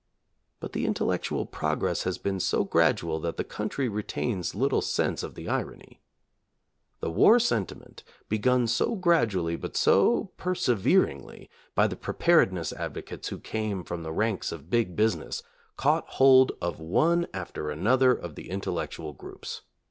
But the intellectual progress has been so gradual that the country re tains little sense of the irony. The war senti ment, begun so gradually but so perseveringly by the preparedness advocates who came from the ranks of big business, caught hold of one after another of the intellectual groups.